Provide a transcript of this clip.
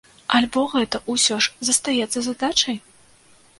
Альбо гэта ўсё ж застаецца задачай?